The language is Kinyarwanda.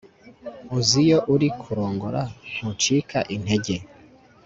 uziyo uri kurongora ntucika intege